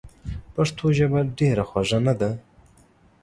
پښتو ژبه ډېره خوږه نده؟!